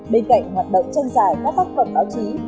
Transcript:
bên cạnh hoạt động tranh giải các tác phẩm báo chí